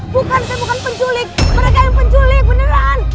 bukan saya bukan penculik mereka yang penculik beneran